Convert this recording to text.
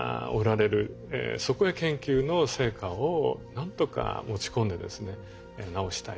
そこへ研究の成果をなんとか持ち込んでですね治したい。